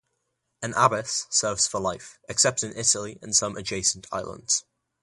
An abbess serves for life, except in Italy and some adjacent islands.